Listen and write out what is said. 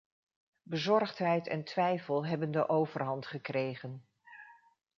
Bezorgdheid en twijfel hebben de overhand gekregen.